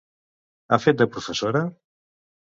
Ha fet de professora?